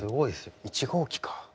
１号機か。